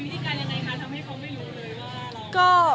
วิธีการยังไงคะทำให้เขาไม่รู้เลยว่าเราก็